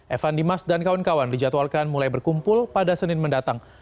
evan dimas dan kawan kawan dijadwalkan mulai berkumpul pada senin mendatang